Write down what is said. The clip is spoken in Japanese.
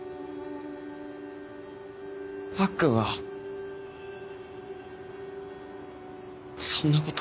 アッくんはそんなこと。